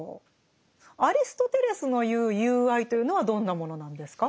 アリストテレスの言う「友愛」というのはどんなものなんですか？